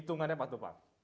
hitungannya pak tupak